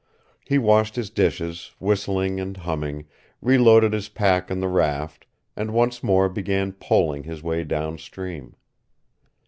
He washed his dishes, whistling and humming, reloaded his pack on the raft, and once more began poling his way downstream.